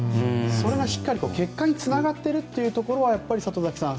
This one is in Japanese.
それがしっかりと結果につながっているというところはやっぱり里崎さん